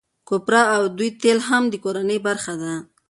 کوپره او دوی تېل هم د کورنۍ برخه ده.